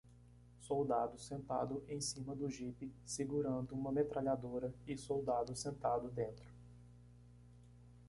Soldado sentado em cima do jipe segurando uma metralhadora e soldado sentado dentro.